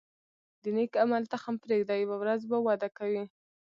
د نیک عمل تخم پرېږده، یوه ورځ به وده کوي.